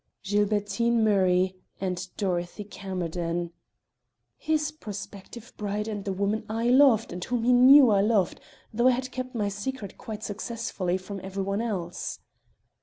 "Gilbertine Murray and Dorothy Camerden:" his prospective bride and the woman I loved and whom he knew I loved, though I had kept my secret quite successfully from every one else!